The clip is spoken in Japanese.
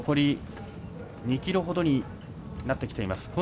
残り２ｋｍほどになってきています。